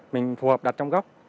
mình phù hợp đặt trong góc